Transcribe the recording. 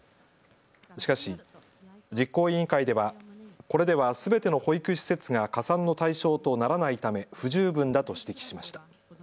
しかし、実行委員会ではこれではすべての保育施設が加算の対象とならないため不十分だと指摘しました。